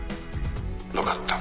「わかった。